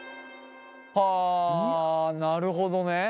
はあなるほどね。